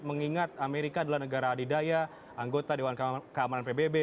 mengingat amerika adalah negara adidaya anggota dewan keamanan pbb